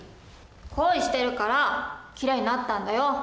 恋してるからきれいになったんだよ。